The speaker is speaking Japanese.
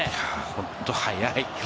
本当に速い。